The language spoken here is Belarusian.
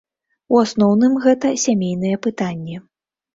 У асноўным гэта сямейныя пытанні.